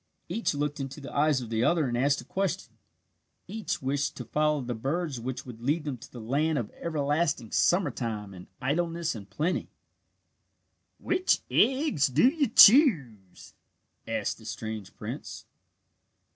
Each looked into the eyes of the other and asked a question. Each wished to follow the birds which would lead them to the land of everlasting summer time and idleness and plenty. "Which eggs do you choose?" asked the strange prince.